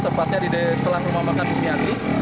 tepatnya setelah rumah makan bumiati